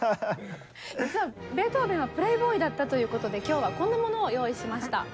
実はベートーベンはプレーボーイだったということで今日はこんなものを用意しました。